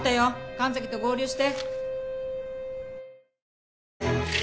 神崎と合流して。